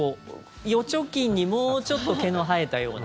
預貯金にもうちょっと毛の生えたような。